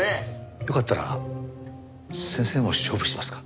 よかったら先生も勝負しますか？